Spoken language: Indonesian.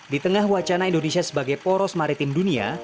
di tengah wacana indonesia sebagai poros maritim dunia